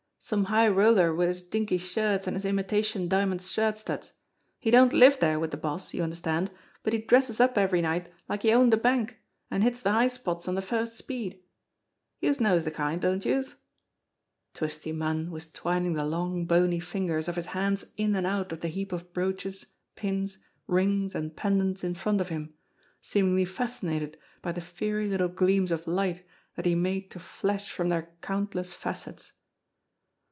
Some high roller wid his dinkey shirts an' his imitation diamond shirt studs ! He don't live dere wid de boss, y'understand, but he dresses up every night like he owned a bank, an' hits de high spots on de first speed. Youse knows de kind, don't youse?" Twisty Munn was twining the long, bony fingers of his hands in and out of the heap of brooches, pins, rings and pendants in front of him, seemingly fascinated by the fiery little gleams of light that he made to flash from their count less facets.